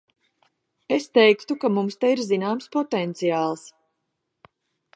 Es teiktu, ka mums te ir zināms potenciāls.